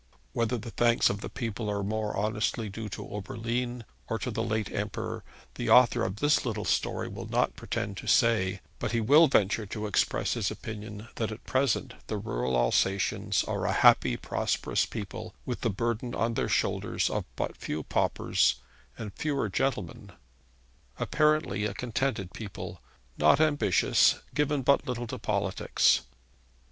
Whether the thanks of the people are more honestly due to Oberlin or to the late Emperor, the author of this little story will not pretend to say; but he will venture to express his opinion that at present the rural Alsatians are a happy, prosperous people, with the burden on their shoulders of but few paupers, and fewer gentlemen, apparently a contented people, not ambitious, given but little to politics.